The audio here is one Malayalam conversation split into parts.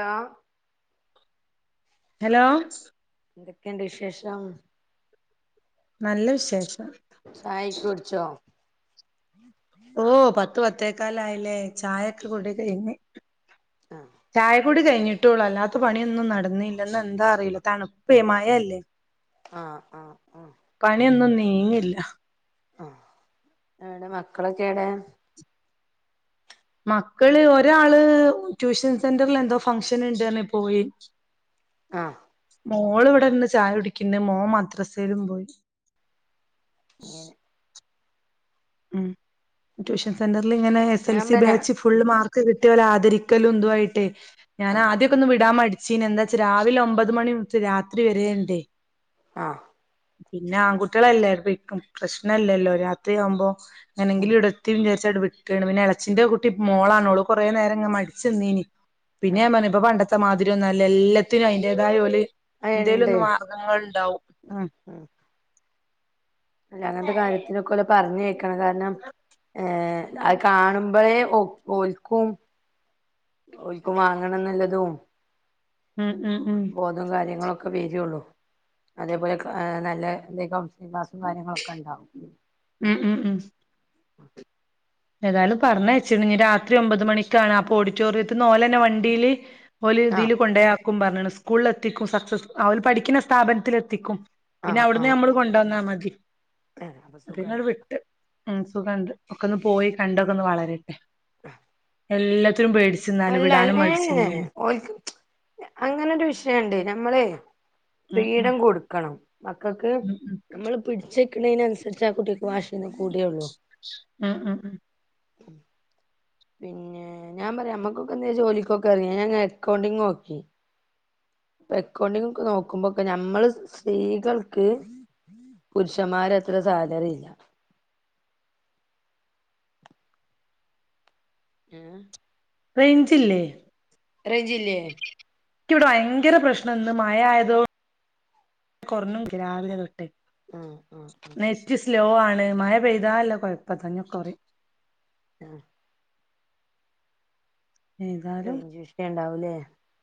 അലോ ഹലോ എന്തൊക്കെയുണ്ട് വിശേഷം നല്ല വിശേഷം ചായക്കേ കുടിച്ചോ? ഓ പത്ത് പത്തേകലയില്ലേ. ചായെക്ക കുടി കഴിഞ്ഞ് ചായ കുടി ഇത് കഴിഞ്ഞിട്ടുള്ളൂ അല്ലാത്ത പണിയൊന്നും നടന്നില്ലഇന്ന് എന്താ അറില്ല തണുപ്പെ മായഅല്ലേ ആഹ് ആഹ് ആഹ് മിനില്ല ആഹ് അവിടെ മക്കളൊക്കെ എടെ മക്കള് ഒരാള് ട്യൂഷൻ സെന്ററിൽ എന്തോ ഫഗ്ഷൻ ഉണ്ട്പറഞ് പോയി ആഹ് മോള് ഇവിടെ ഇര്ന്ന് ചായ കുടിക്ക്ന്ന് മോൻ മദ്രസയിലും പോയി അങ്ങനെ ഉം ട്യൂഷൻ സെന്ററിൽ ഇങ്ങനെ എസ് എൽ ഞാൻ സി പിന്നെ ബാച്ച് ഫുൾ മാർ ഇത് കിട്ടിയൊലെ ആദരിക്കല്ലുന്തു ആയിട്ടേ ഞൻ ആഹ് ആദ്യഒക്കെ ആഹ് ഒന്ന് വിടാൻ മടി ച്ചീന് എന്താച്ച രാവിലെ ഒമ്പത് മണി മുച്ച് രാത്രി വരെ ഇണ്ടേ ആഹ് പിന്നെ ആൺകുട്ടികളല്ലേ പിക്കും പ്രശ്നല്ലല്ലോ രാത്രിയാമ്പോ ഉം എങ്ങനെങ്കിലും ഇവിടെത്തിവി വിട്ടുകണ് പിന്നെ ഇളച്ചിന്റെ കുട്ടി മോളാണ് ഓള് കുറേ നേരം ഇങ്ങ മടിച്ചന്നീനി പിന്നെയാ ആഹ് പർഞ് ആഹ് പ്പ പണ്ടത്തെ മാതിരിയൊന്നുല്ല എല്ലത്തിനു അയിന്റേതായോല് അത് ഇണ്ട് ന്തേലുംന്ന് [unintelligible] ണ്ടാവും. ഉം. അല്ല അങ്ങനത്തെ കാര്യത്തിനൊക്കെ ഓലെ പറഞ്ഞേക്കണം കാരണം ഏഹ് അത് ഉം കാണുമ്പോഴേ ഓ ഓൽക്കും ഓൽക്കും വാങ്ങണന്നുള്ളതും ഉം ഉം ഉം ബോധം കാര്യങ്ങളെ ഒക്കെ വരു ഒള്ളു അതേപോലെ നല്ല എന്തക്ക കാര്യങ്ങളൊക്കെ ഇണ്ടാകും ഊ ഉം. ഏതായാലും പറഞ്ഞയച്ചിണ് രാത്രി ഒമ്പത് മണിക്കാണ് അപ്പൊ ഓഡിറ്റോറിയത്തിന്ന് ഓലെ തന്നെ വണ്ടിയില് ഓല് ആഹ് ഇതിൽ കൊണ്ടേയാക്കും പറഞ്ഞാണ് സ്കൂളിൽ എത്തിക്കും സക്സസ് അവ പഠിക്കുന്ന സ്ഥാപനത്തിൽ എത്തിക്കും പിന്നെ ആഹ് അവിടുന്ന് നമ്മള് കൊണ്ട് വന്നാൽ മതി ആഹ് അപ്പൊ അപ്പം നിങ്ങള് സുഖണ്ടല്ലോ വിട്ട് ഉം സുഖ ഇണ്ട് ഒക്കെ ഒന്ന് കണ്ട് ഒക്കെന്ന് വളരട്ടെ എല്ലാത്തിനും പേടിച്ചിന്നാല് അല്ല വിടാനും ഏഹ് ഏ മടിച്ചിന്നാല് ഓൽക്ക് [unintelligible] അങ്ങനൊര് വിഷയണ്ട് ഞമ്മളെ ഉം ഉം ഫ്രീഡം കൊടുക്കണം മക്കൾക്ക് ഉം ഉം നമ്മള് പിടിച്ച് ക്ക്ണയ്ന് അനുസരിച്ച് ആ കുട്ടിക്ക് വാഷിന്ന് കൂടേ ഒള്ളൂ ഉം ഉം ഉം [inaudible] പിന്നെ ഞാൻ പറയാം നമ്മക്കൊക്കെ എന്ത ജോലിക്കൊക്കെ അറിയ ഞാൻ അക്കൗണ്ടിങ്ങ് നോക്കി എക്കൗണ്ടിങ്ങൊക്ക നോക്കുമ്പൊക്കെ ഞമ്മള് സ് സീകൾക്ക് പുരുഷന്മാരെ അത്ര സാലറി ഇല്ല ഏഹ് റേയ്ഞ്ച്ല്ലേ റേയ്ഞ്ചില്ലേ എനിക്കിവിടെ ഭയങ്കര പ്രശ്നം ഇന്ന് മഴ ആയതോ കുറഞ്ഞു രാവിലെ തൊട്ടെ ആ ആ നെറ്റ് സ്ലോ ആണ് മഴ പെയ്താല്ല കുഴപ്പതങ്ങ് കുറയ് ആഹ് ഏതാലും റെയ്ഞ്ചിഷ്യണ്ടാവുല്ലേ?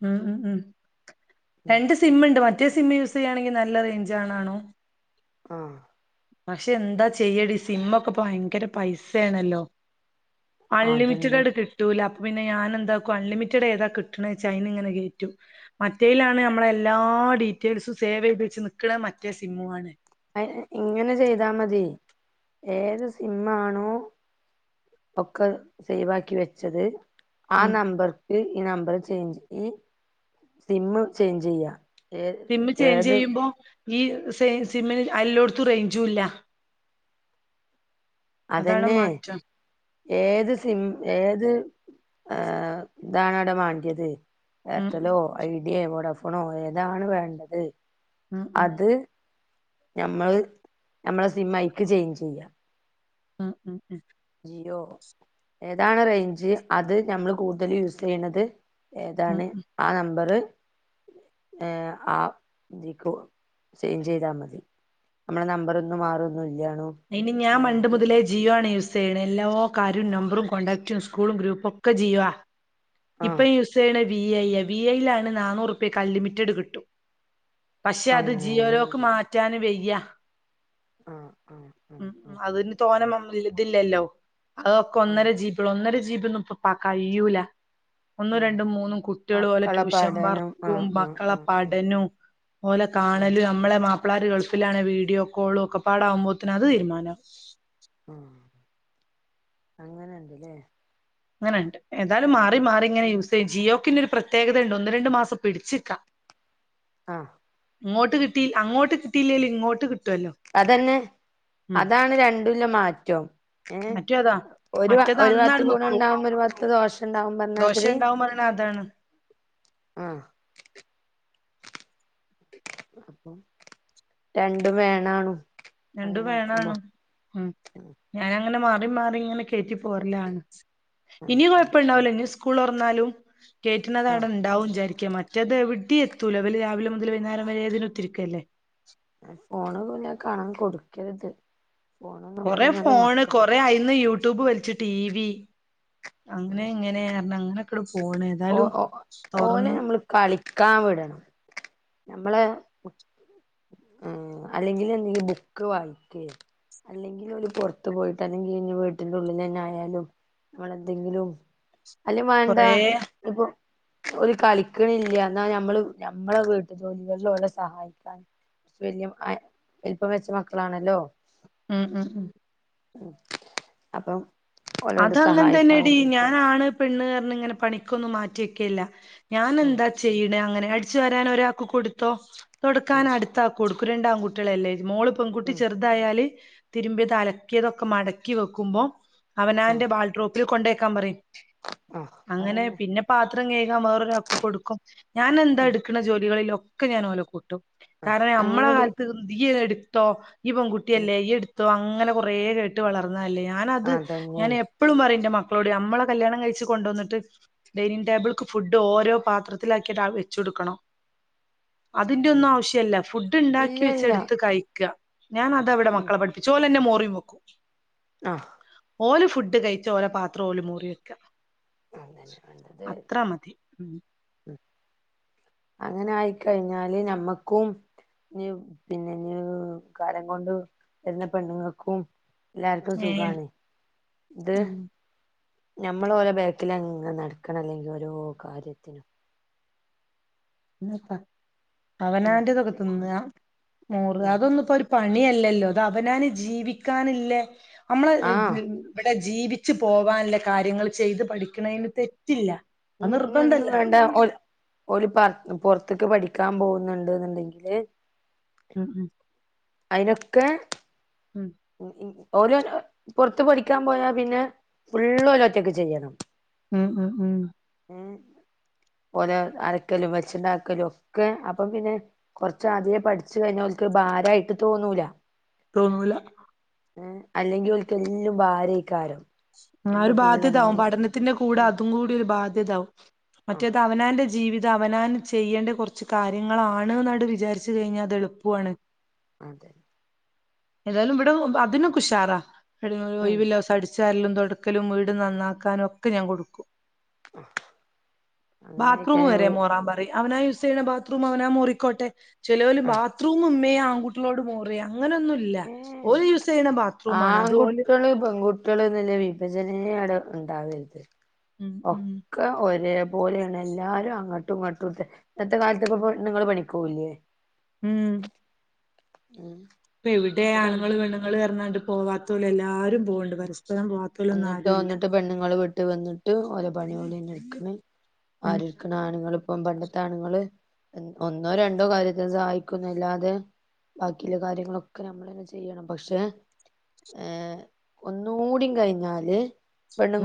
ഉം ഉം ഉം രണ്ട് സിമ്മുണ്ട് മറ്റ ഒറ്റേ സിമ്മ യൂസ് ചെയ്യുകയാണെങ്കിൽ നല്ലറേഞ്ച് ആണാണോ ആഹ് പക്ഷെ എന്താ ചെയ്യടി സിമ്മൊക്കെ ഭയങ്കര പൈസയാണല്ലോ അതുണ്ട് അൺലിമിറ്റിഡഡ് ക് ട്ടൂല പിന്നെ ഞാൻ എന്താക്കുവാ അൺലിമിറ്റഡ് ഏതാ കിട്ടണച്ചാ അതിന് ഇങ്ങനെ കയറ്റും മറ്റേയിലാണ് നമ്മളെ എല്ലാം ആ ഡീറ്റെയിൽസും സേവ് ചെയ്ത് വെച്ച് നക്കണ മറ്റേ സിമ്മുമാണ് അതിന് ഇങ്ങനെ ചെയ്താ മതി ഏത് സിം ആണോ ഒക്കെ സേവാക്കി വെച്ചത് ആ നമ്പർക്ക് ഈ നമ്പർ ചേഞ്ച് ഈ സിമ്മ് ചേഞ്ച് ചെയ്യാ ഏ സിമ്മ് ചേഞ്ച് ഏത് ചെയ്യുമ്പോ ഈ സെയിം സിമ്മിന് അല്ലോടത്തും റേയ്ഞ്ചും ഇല്ല അതാണ് അതെന്നെ മാറ്റം ഏത് സിം ഏത് ഇതാണ് അവിടെ വേണ്ടിയത് ഉം എയർടെലോ ഐഡിയ വോഡോഫോണോ ഏതാണ് വേണ്ടത് ഉം ഉം അത് നമ്മള് നമ്മളെ സിമ്മ് അതിക്ക് ചേയ്ഞ്ച് ചെയ്യുക ഉം ഉം ഉം ഏതാണ് റേഞ്ച് അത് നമ്മൾ കൂടുതൽ യൂസ് ചെയ്യണുന്നത് ഉം ഏതാണ് ഉം ആ നമ്പറ് ഏഹ് ആഹ് ജിക്കോ ചെയിഞ്ച് ചെയ്താ മതി നമ്മള നമ്പറൊന്നും മാറൊന്നില്ല ഇനി ഞാൻ മണ്ട് മുതലേ ജിയോ ആണ് യൂസ് ചെയ്യണേ എല്ലാകാര്യവും നമ്പറും കോണ്ടാക്റ്റും സ്കൂളും ഗ്രൂപ്പും ഒക്കെ ജിയോയാ ആഹ് ഇപ്പൊ യുസേണ് വി ഐ വിഐയിലാണ് നന്നൂറുപക്ക് ആൻ ല്ലിമിറ്റഡ് കിട്ടും പക്ഷെ അത് അങ്ങനെ ജിയോലോക്ക് മാറ്റാന് വയ്യ ഉം ഉം അതിന് തോന്ന ഇതില്ലല്ലോ അതൊക്കെ ആഹ് ഒന്നര ജീബിയ ഒന്നര ജീബി ഒന്നുംപ്പം കഴിയൂല ഒന്നും ആഹ് രണ്ടും മൂന്നും കുട്ടികൾ പോലെ മക്കളെ ട്യൂഷൻ പഠനം വർക്കും ആഹ് ആഹ് മക്കളെ ആഹ് ആഹ് പഠനവും പോലെ ആഹ് കാണലും നമ്മളെ മാ പിള്ളേര് ഗൾഫിലാണ് വീഡിയോ കോളും ഒക്കെ പാടാകുമ്പോത്തനന് അത് തീരുമാനം ആഹ് അങ്ങനെണ്ടല്ലേ അങ്ങനെണ്ട് ഏന്താലും മാറി മാറി ഇങ്ങനെ യൂസ് ചെയ ജിയോക്കി പ്രത്യേകത ഉണ്ട് ഒന്ന് രണ്ടു മാസം പിടിച്ചിക്കാം ആഹ് ഇങ്ങോ കിട്ടി അങ്ങോ കിട്ടല്ലേ ഇങ്ങോട്ട് കി അത് തന്നെ അതാണ് രണ്ടുലെ മാറ്റം ഏഹ് മറ്റേ അതാ ഒരു മറ്റേത് ഒരു ഭാത്ത് അന്നാട് ഗുണം നിക്കും ഉണ്ടാവുമ്പോ ഒരു ഭാഗത്ത് ദോഷ ഉണ്ടാവും ദോശ പറഞ്ഞാതിരി ഉണ്ടാവും പറയണ അതാണ് ആഹ് രണ്ടും വേണണു രണ്ടു വേണാണ് ഉം ആഹ് ഇങ്ങനെ മാറി മാറി ഇങ്ങനെ കേറ്റി പൊറില്ല ആഹ് ആഹ് കുഴപ്പണ്ടാവുല്ല എന്നാലും കേറ്റുന്നത് ആഹ് അവിടെ ഉണ്ടാവും വിചാരിക്ക മറ്റേത് എവിടെ എത്തൂലോ അവല് രാവിലെ മുതൽ വൈകുന്നേരം വരെ അതിനകത്ത് ഇരിക്ക അല്ലേ ഫോണ് പോല കാണാൻ കൊടുക്കരുത് ഫോണ്ന്ന് കുറെ പറയുന്നത് ഫോണ് മക്കൾ കൊറെ അയിന്ന് യൂട്യൂബ് വലിച്ചു ടി വി അങ്ങനെ ഇങ്ങനെ അങ്ങനെ ഓ ഓ ഓനെ നമ്മള് കളിക്കാൻ വിടണം നമ്മളെ അല്ലെങ്കിൽ എന്തെങ്കിലും ബുക്ക് വായിക്ക അല്ലെങ്കിൽ ഒരു പുറത്ത് പോയിട്ട് അല്ലെങ്കിൽ ഇ വീട്ടിന്റെ ഉള്ളിൽ തന്നെ ആയാലും നമ്മള് എന്തെങ്കിലും അല്ല വേണ്ട കൊറേ ഇപ്പൊ ഒരു കളിക്കണില്ല എന്നാ നമ്മള് ഞമ്മളെ വീട്ട ജോലികളിലോടെ സഹായിക്കാൻ വലുപ്പം വെച്ച മക്കളാണല്ലോ ഉം ഉം ഉം മ് അപം അതങ്ങൻ തന്നെടീ ഞാന് ആണ് പെണ്ണ് അർ ന്ന് ങനെ പണിക്കൊന്നും മാറ്റിവെക്കേല്ല ഉം ഞാന്എന്താ ചെയ്ണ് അങ്ങനെ ഞടിച്ചു വരാനൊരാക്ക് കൊടുത്തോ ഉം തൊട്ക്കാന് അട്ത്ത ആക്ക് കൊടുക്കും രണ്ടാങ്കുട്ടിളെലേ മോള് പെങ്കുട്ടി ഉം ചെർതായാല് തിര്മ്പിത് അലക്കിയതൊക്കെ മടക്കി വെക്കുമ്പൊ അവനാന്റെ ആഹ് ബാൾട്രോപ്പിൽ കൊണ്ടേക്കാൻ പറിം ആഹ് അങ്ങനെ അതന്നെ പിന്നെ പാ ത്രം കയകാം വേറൊരാക്ക് കൊട്ക്കും ഞാന് എന്താ ഉം ഇട്ക്ക്ണ ജോലികളിലൊക്കെ ഞാന് ഓലെ കൂട്ടും ആഹ് കാരണം ഞമ്മള അങ്ങനൊരു കാൽത്ത് തൊന്ന് യ്യെന്നെട്ത്തോ യ്യ് പെൺ ഉം കുട്ടിഎല്ലേ യ്യ്ട് തോ അങ്ങനെ കൊറേ കേട്ട് വളർന്നതല്ലേ ഞാനത് അതന്നെ ഞാന എപ്പളും പറയും ന്റെ മക്കളോട് ഞമ്മളൊക് കല്ല്യാണം കഴ്ച്ച് കൊണ്ടോന്ന്ട്ട് ഡൈനിങ് ടേബിൾക്ക് ഫുഡ്ഡ് ഓരോപാത്രത്തിലാക്കിട്ട് ആ വെച്ചൊട്ക്കണം അതിന്റ ഉം ഒന്നും ആവശ്യല്ല ഫുഡ്ഡ് ഇല്ല ണ്ടാക്കി ഇല്ല വെച്ചെട്ത്ത് കഴിക്ക്അ ഞാനഅതാ വ്ടെ മക്കളെ പഠിപ്പിച്ചെ ഓലന്നെ മോറിം വെക്കും അ ഓല് ഫുഡ്ഡ് കഴിച്ച് ഓല പാത്രം ഓല് മോറി വെക്ക്അ അതന്നെ വേണ്ടത് അത്ര മതി മ് അങ്ങന ആയിക്കഴി ഞ്ഞാല് ഞമ്മക്കും ഞ് പിന്നെ ഞൂ കാലം കൊണ്ട് വെരണ പെണ്ണ്ങ്ങക്കും എല്ലാര്ക്കും ഏഹ് സുഖാണ് ത് ഉം ഞഞമ്മള് ഓല ബേക്കിലങ്ങ ന്നട്ക്കണ എല്ലങ്കി ഓരോ കാര്യത്തിനും [unintelligible] ഉം അവനാൻ്റതൊക തിന്ന്അ മോറ്അ ഉം അതൊന്നു പ്പൊ ഒര് പണിഅ ല്ലല്ലോ ത് അവനാന് ജീവിക്കാന്ല്ലെ അമ്മള് ആഹ് വ്ടെ ജീവിച്ചു പോവാന്ള കാര്യങ്ങൾ ചെയ്ത് പഠിക്ക്ണേന് തെറ്റില്ല അത് ഞി ഇഞൊന്നും നിർബന്ധല്ല വേണ്ട ഓൽ ഓല് പർ [unintelligible] പൊർ ത്ത്ക്ക് പഠിക്കാം പോക്ന്ന്ണ്ട് ന്ന്ണ്ടെങ്കില് മ് മ് അയ്നൊക്കെ ഓൽ പൊർത്ത് പഠിക്കാം പോയാ പിന്നെ ഫുള്ളോലൊറ്റക്ക് ചെയ്യണം മ് മ് മ് ഏ ഓലെ അരക്കലും വെച്ച്ണ്ടാക്കലും ഒക്കെ അപം പിന്നെ കൊർച്ചാദ്യേ പഠിച്ച്കഴ്ഞ്ഞാ ഒൽ ക്ക് ഭാരായിട്ട് തോന്നൂല തോന്നൂല ഏ അല്ലെങ്കി ഓൽക്ക് എല്ലും ഭാരെയ്ക്കാരം ആ ഒര് ബാധ്യത ആഉം പഠനത്തിന്റ കൂട അതും കൂടി ഒര് ബാധ്യത ആഉം ആഹ് മറ്റത് അവനാന്റ ജ് ജീവിതം അവനാന് ചെയ്യേണ്ട കൊർച്ച് കാര്യങ്ങളാണ് ന്നാട്ട് വിചാര്ച്ച് കഴിഞ്ഞാ അത് എളുപ്പും ആണ് അതെ എതാലും വ്ടെ അതിനൊക്ക ഉഷാറാ ഒയിവ്ള്ളോസം അട്ച് ച്ചാര്ലലും തൊടക്കലും വീട് ന്നന്നാക്കാനും ഒക്കെ ഞാ കൊടുക്കും അങ്ങനെ ബാത്രൂമ് ആയിക്കഴിഞ്ഞാ വരെ മോറാം പറിം അവനാം യുസ് സെഎയ്യ്ണെ ബാത്റൂം അവനാം മോറിക്കോട്ടെ ചെലോല് ആഹ് ബാത്റൂമ് മ്മേ ആൺകുട്ടിഎളോട് മോറിയ അങ്ങനൊന്നുല്ല ഏഹ് ഓല് യൂസെയ്യങണെ ബാത്റൂമാണ്. അത് ഓല് വിഭജെന്യ ഔടെ ഉണ്ടാവര്ത് ഉം ഉം ഒക്ക ഒരേ പ് പോര്ആണ് എല്ലാരും അങ്ങട്ടും ങ്ങട്ടും ത് ഇന്നത്തെ കാലത്ത് പം പെണ്ണ്ങ്ങള് പണിക്കോവ് ല്ല്യേ? മ് മ് എവിടെ ആണ്ങ്ങള് പെണ്ണ്ങ്ങള് അർഞാണ്ട് പോവാത്തോല് എല്ലാരും പോണ്ട് പരസ്പരം പോവാത്തോലൊന്നും ആരുല്ല ഇട്ട് വന്ന്ട്ട് ഓല പണി ഓലന്നെ ട്ക്ക്ണ് ഉം ആര്ട്ക്ക്ണ് ആണ്ങ്ങള് ഇപ്പ പണ്ടത്തെ ആണുങ്ങള് ഒന്നോ രണ്ടോ കാര്യത്തെ സഹായിക്കുന്നല്ലാതെ ബാക്കിള്ള കാര്യങ്ങളൊക്കെ നമ്മൾ തന്നെ ചെയ്യണം പക്ഷെ ച് ഒന്നൂടിം കഴിഞ്ഞാല്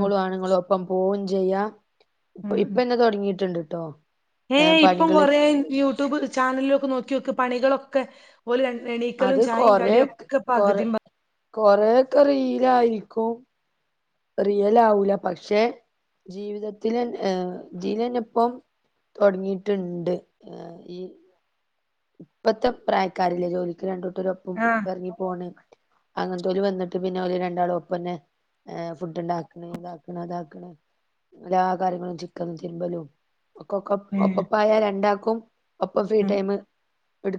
ഉം ആണുങ്ങളും അപ്പം പോവും ചെയ്യാം ഇപ്പൊ ഇപ്പൊ ന്നെ തുടങ്ങീട്ട്ണ്ട്ട്ടോ ഏ ഇപ്പം കൊറേ യൂട്യൂബ് ചാനലിലൊക്കെ നോക്കിയോക്ക് പണികളൊക്കെ പ്പോ ഓലെ എണീക്കലും അത് ചായും കടി ഒക്ക പകുതിം പകുതി കൊറെക്കെ റീലായിരിക്കും റിയൽ ആവൂല പക്ഷെ ജീവിതത്തിൽ ലനിപ്പം തുടങ്ങിയിട്ടുണ്ട് ഈ ഇപ്പത്തെ പ്രായക്കാരില്ലേ ജോലിക്ക് രണ്ടൂട്ടരൊപ്പം ആഹ് ഇറങ്ങി പോണ അങ്ങനത്തോല് വന്നിട്ട് പിന്നെ ഒരു രണ്ടാളും ഒപ്പന്നെ ഏ ഫുഡ് ണ്ടാക്കണ ഇതാക്കണ അതാക്കണ എല്ലാ കാര്യങ്ങളും ചിക്കൻ തിരുമ്പലും ഒക്ക ഒക്ക ഏഹ് ഒപ്പപ്പായ രണ്ടാക്കും ഒപ്പം ഫ്രീ ഉം ടൈമ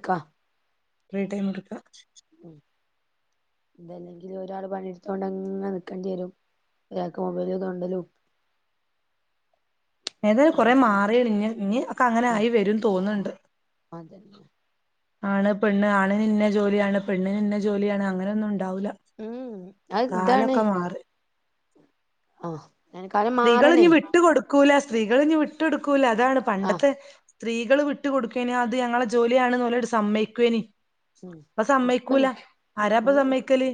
ക്ക ഫ്രീ ടൈം ട്ക്ക ഇതല്ലെങ്കിൽ ഒരാൾ പണിടുത്തോണ്ട്ങ്ങെനെ നിക്കേണ്ടി വരും ഒരാക്ക് മൊബൈല് തോണ്ടലും ഏതാലും കുറെ അങ്ങനൊക്കെ മാറിക്ണ് ഇഞ്ഞ് അക്കെ അങ്ങനെ ആ ആയി വരുംന്ന് തോന്ന്ണ്ട് അതന്നെ ആണ് പെണ്ണ് ആണിന്ന ജോലിയാണ് പെണ്ണിന് ഇന്ന ജോലിയാണ് അങ്ങ നൊന്നും ണ്ടാവൂല ഉം അത് കാലൊക്കെ മാറി ആഹ സ്ത്രീകൾ ഞ്ഞ് വിട്ട് കൊടുക്കൂല സ്ത്രീകളി ഞ്ഞ് വിട്ടു കൊടുക്കൂല അതാണ് ആ പണ്ടത്തെ സ്ത്രീകള് വിട്ടുക കൊടുക്കേന് അത് ഞങ്ങളെ ജോലിയാണെന്ന് ഓല് സമ്മയ്ക്കുവേനി ഉം ഇപ്പ സമ്മക്കൂല ആരാപ്പ സമ്മക്കല്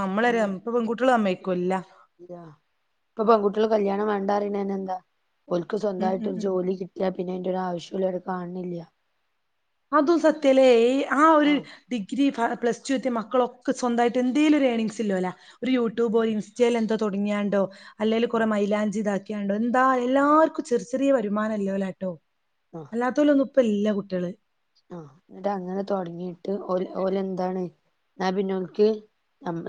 നമ്മളരാ ഇപ്പൊ പെൺകുട്ടികള് സമ്മയ്ക്കു ഇല്ല ഇപ്പൊ പെൺകുട്ടികൾ കല്യാണം വേണ്ടറീണെന്നെ എന്താ ഓൽക്ക് ഉം സ്വന്തയിട്ട് ഒരു ഉം ജോലി കിട്ടിയാ പിന്നെ എന്റെ ഒരു ആവശ്യം ഓലൊവ്ടെ കാണില്ല അതും സത്യല്ലേ ആ ഒരു ഡിഗ്രി പ്ലസ്ടു എത്തി മക്കളൊക്കെ സ്വന്തായിട്ട് എന്തെങ്കലും ഒരു ഏണിങ്സ് ഇള്ളോല ഒരു യൂട്യൂബോ ഇൻസ്റ്റയിലെന്തോ തുടങ്ങിയാണ്ടോ അല്ലേങ്കല് കുറെ മൈലാഞ്ചി ഇതാക്കിയാണ്ടോ എന്താ എല്ലാവർക്കും ചെറി ചെറേ വരുമാനം ഇല്ലോലാട്ടോ ആ അല്ലാത്തോലൊന്നും ഇപ്പ ഇല്ല കുട്ടികള് ഓ ഓല എന്താണ് നാ പിന്നോ ഓൽക്ക്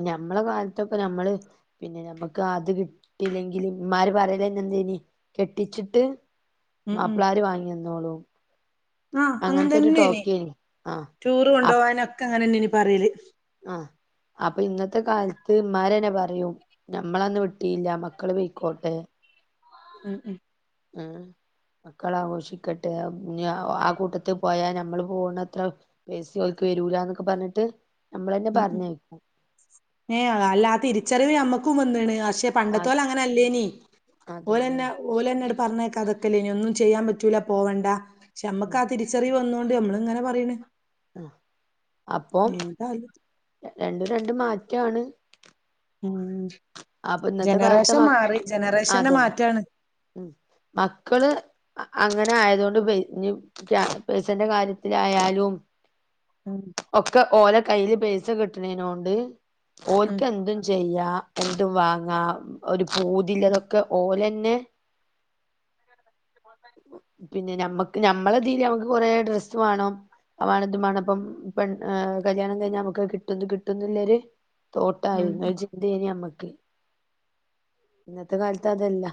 ഞമ്മളെ കാലത്തൊക്കെ ഞമ്മള് പിന്നെ നമ്മുക്ക് അത് കിട്ടില്ലെങ്കിൽ ഇ മ്മാര് പറയല എന്തേനി കെട്ടിച്ചിട്ട് ഉം മാപ്പിളാര് വാങ്ങി തന്നോളൂ ആ അങ്ങന തന്നെനി ടൂറ് ആ കൊണ്ടുപോകാനൊക്കെ അങ്ങനെന്നേനി പറയല് മ്മാരന്നെ പറയും ഞമ്മളന്ന് വിട്ടീല്ല മക്കള് പൊയ്ക്കോട്ടെ ഉം ഉം ആ മക്കള ആഘോഷിക്കട്ടെ ആ കൂട്ടത്തിൽ പോയാൽ നമ്മള് പോകണത്ര പെയ്സി വേരൂലന്നൊക്കെ പറഞ്ഞിട്ട് നമ്മളന്നെ ഉം ഉ പറഞ്ഞയക്കും ഏ അല്ലാ തിരിച്ചറിവ നമ്മക്കും വന്ന്ക്ക്ണ് പക്ഷെ ആഹ് പണ്ടത്തോലെ അങ്ങനെ അല്ലേനി അതന്നെ ഓലെന്നെ ഓലെന്നെ പറഞ്ഞേക്കാതൊക്കലേനി ഇനി ഒന്നും ചെയ്യാൻ പറ്റൂല പോവണ്ട പക്ഷേ നമ്മക്ക് ഉം ആ തിരിച്ചറിവ് വന്നു നമ്മള് ഇങ്ങനെ പറയ്ണ് ആ ഏതാലും രണ്ടും രണ്ടും മാറ്റാണ് ഉം അപ്പൊ ഇന്നത്തെ കാലത്തെ ജനറേഷൻ മക്ക മാറി ജനറേഷന്റെ അതെന്നെ മാറ്റാണ് ഉ മക്കള് അങ്ങനെ ആയത കൊണ്ട് പ പേസന്റെ കാര്യത്തിലായാലും ഉം ഒക്കെ ഓല കയ്യില് പൈസ കിട്ടുന്നൊണ്ട് ഉം ഓൽക്ക് എന്തും ചെയ്യാ എന്തും വാങ്ങാ ഒരു ഉം പൂതില്ലതൊക്കെ ഓല പിന്ന പിന്നെ നമ്മക്ക് ഞമ്മളെ തീതി നമുക്ക് കൊറെേ ഡ്രസ്സ് വേണം അത് മാണം ഇതുമാണ് വേണംപ്പം പ് കല്യാണം കഴിഞ്ഞ നമുക്ക് കിട്ട കിട്ടുന്നില്ലരു ഉം തോട്ടായിരുന്നു ചിന്തയനി നമ്മക്ക് ഓക്കെ ഇന്നത്തെ കാലത്ത് അതല്ല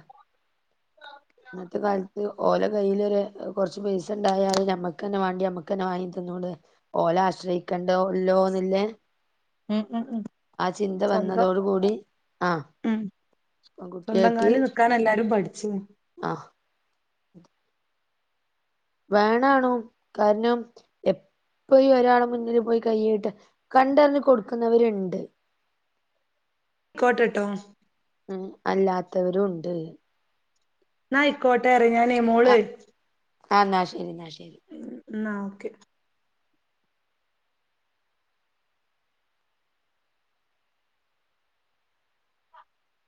ഇന്നത്തെ കാലത്ത് ഓല കയ്യിൽ ഒരു കൊറച്ച് പൈസ ഉണ്ടായാല ഞമ്മക്ക്ന്നെ വാണ്ടി നമ്മക്ക് തന്നെ വാങ്ങി തി ന്നു പോഓലെ ആശ്രയിക്കണ്ടല്ലോന്നില്ലേ ഉം ഉം ഉം ആ ചിന്ത സ്വന്തം വന്നതോടു കൂടി ആ ഉം സ്വന്തം കാല് നിക്കാൻ എല്ലാരും പഠിച്ചു ആ വേണാണോ കാരണം എ പോയി ഒരാളെ മുന്നില് പോയി കൈയിട്ട് കണ്ടറിഞ് കൊടുക്കുന്നവരുണ്ട് കോട്ടട്ടോ ഉം അല്ലാത്തവരും ഉണ്ട് എന്നാ അയ്ക്കോട്ടെ ഞാൻ മോള് ആ എന്നാ ശരി എന്നാ ശരി എന്ന ഓക്കെ